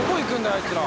あいつら。